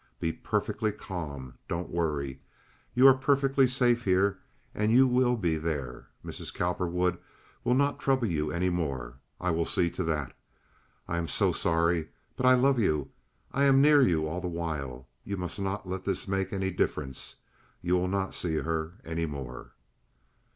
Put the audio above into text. Be perfectly calm. Don't worry. You are perfectly safe here, and you will be there. Mrs. Cowperwood will not trouble you any more. I will see to that. I am so sorry; but I love you. I am near you all the while. You must not let this make any difference. You will not see her any more."